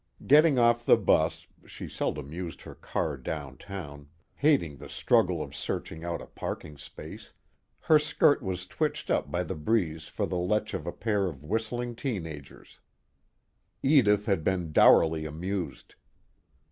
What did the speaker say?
Getting off the bus she seldom used her car downtown, hating the struggle of searching out a parking space her skirt was twitched up by the breeze for the lech of a pair of whistling teen agers. Edith had been dourly amused.